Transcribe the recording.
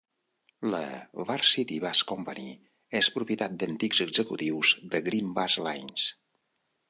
La Varsity Bus Company és propietat d'antics executius de Green Bus Lines.